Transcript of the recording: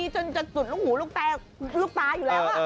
จนสุดหูลูกตาอยู่แล้ว